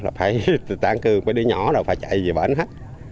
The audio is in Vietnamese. là phải tán cư mới đi nhỏ rồi phải chạy về bến hết